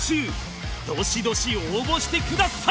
どしどし応募してください！